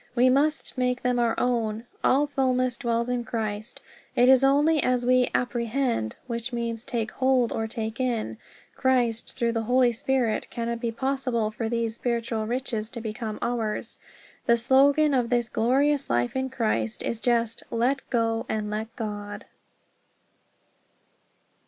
We must make them our own. All fulness dwells in Christ. It is only as we "apprehend" (which means take hold or take in) Christ through the Holy Spirit can it be possible for these spiritual riches to become ours. The slogan of this glorious life in Christ is just "Let go and let God."